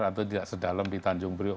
atau tidak sedalam di tanjung priok